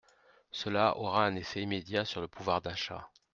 Cela aura un effet immédiat sur le pouvoir d’achat.